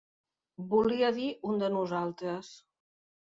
Volia dir un de nosaltres.